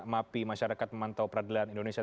mapi masyarakat memantau peradilan indonesia